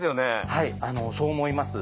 はいそう思います。